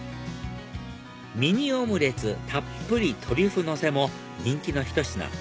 ミニオムレツたっぷりトリュフのせも人気のひと品